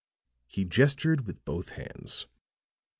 He gestured with both hands.